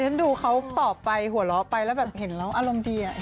ฉันดูเขาตอบไปหัวเราะไปแล้วแบบเห็นแล้วอารมณ์ดีอะ